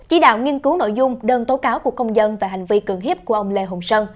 chỉ đạo nghiên cứu nội dung đơn tố cáo của công dân về hành vi cưỡng hiếp của ông lê hồng sơn